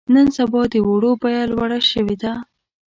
نن سبا د وړو بيه لوړه شوې ده.